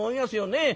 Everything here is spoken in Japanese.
ねえ。